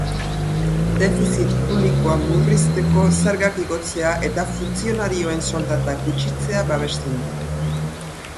Defizit publikoa murrizteko zergak igotzea eta funtzionarioen soldatak gutxitzea babesten du.